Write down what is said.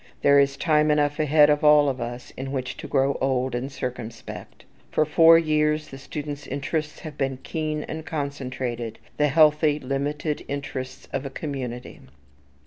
There is time enough ahead of all of us in which to grow old and circumspect. For four years the student's interests have been keen and concentrated, the healthy, limited interests of a community.